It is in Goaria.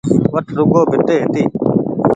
وٺ رگون ڀيٽي هيتي